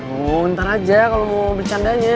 bentar aja kalo mau bercandanya